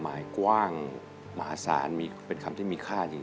มีความหมายกว้างมหาศาลเป็นคำที่มีค่าจริง